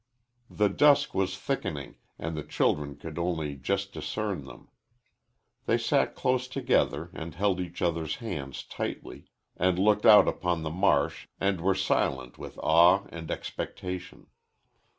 The dusk was thickening, and the children could only just discern them. They sat close together and held each other's hands tightly, and looked out upon the marsh and were silent with awe and expectation.